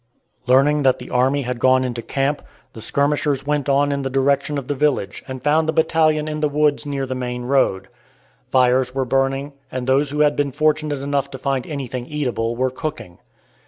Learning that the army had gone into camp, the skirmishers went on in the direction of the village, and found the battalion in the woods near the main road. Fires were burning, and those who had been fortunate enough to find anything eatable were cooking.